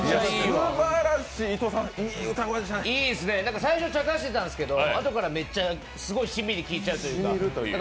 いいですね、最初、ちゃかしてたんですけど、あとからめっちゃ、しんみり聴いちゃうというか。